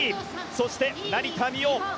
そして成田実生。